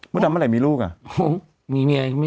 ภูตำเมื่อไรมีลูกอ่ะ